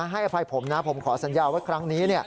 ให้อภัยผมนะผมขอสัญญาว่าครั้งนี้